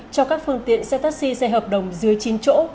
cho các phương tiện xe taxi xe hợp đồng dưới chín chỗ